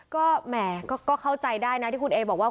ก็แหมก็เข้าใจได้นะที่คุณเอบอกว่า